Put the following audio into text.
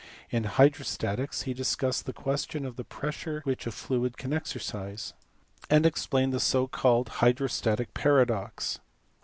In hydrostatics he discussed the question of the pressure which a fluid can exercise, and explained the so called hydrostatic paradox.